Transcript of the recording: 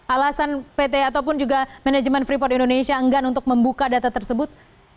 alasan pt ataupun juga manajemen freeport indonesia enggan untuk membuka data tersebut